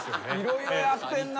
色々やってんな。